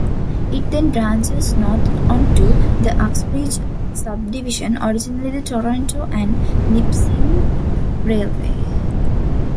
It then branches north onto the Uxbridge Subdivision, originally the Toronto and Nipissing Railway.